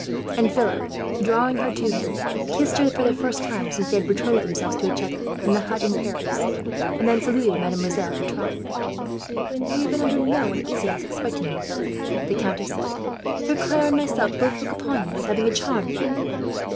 And Philip, drawing her to him, kissed her for the first time since they had betrothed themselves to each other in the hut in Paris; and then saluted Mademoiselle Bertram. "We have been under no uneasiness respecting you, Philip," the countess said; "for Claire and myself both look upon you as having a charmed life.